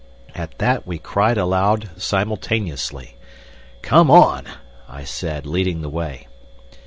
At that we cried aloud simultaneously. "Come on!" I said, leading the way.